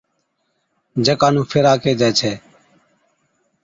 جڪا نُون ڦيرا ڪيهجَي ڇَي